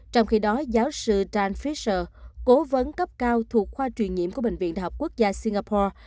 trong khi đó giáo sư tran fiser cố vấn cấp cao thuộc khoa truyền nhiễm của bệnh viện đại học quốc gia singapore